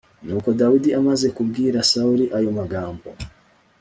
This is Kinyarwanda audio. Nuko Dawidi amaze kubwira Sawuli ayo magambo